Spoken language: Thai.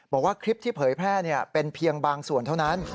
บอกว่าคลิปที่เผยแพร่เป็นเพียงบางส่วนเท่านั้น